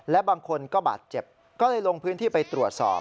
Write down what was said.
และบางคนก็บาดเจ็บก็เลยลงพื้นที่ไปตรวจสอบ